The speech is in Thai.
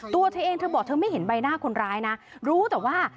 ตัวเธอเองเธอบอกเธอไม่เห็นใบหน้าคนร้ายนะรู้แต่ว่า